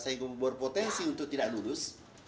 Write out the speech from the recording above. sehingga membuat potensi untuk tidak lulus